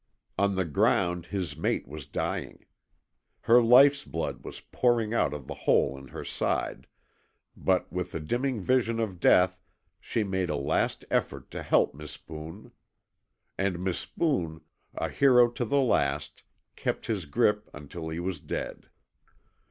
On the ground his mate was dying. Her life's blood was pouring out of the hole in her side, but with the dimming vision of death she made a last effort to help Mispoon. And Mispoon, a hero to the last, kept his grip until he was dead.